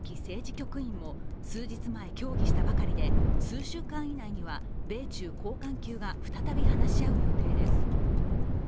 局員も数日前、協議したばかりで数週間以内には米中高官級が再び話し合う予定です。